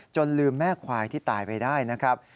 ลืมแม่ควายที่ตายไปได้นะครับ